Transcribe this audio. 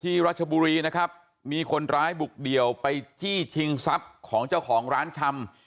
รัชบุรีนะครับมีคนร้ายบุกเดี่ยวไปจี้ชิงทรัพย์ของเจ้าของร้านชำ